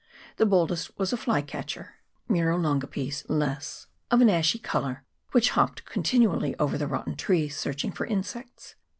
The boldest was a fly catcher l of an ashy colour, which hopped con tinually over the rotten trees, searching for insects.